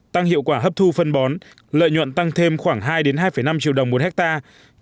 tăng hiệu quả hấp thu phân bón lợi nhuận tăng thêm khoảng hai hai năm triệu đồng một hectare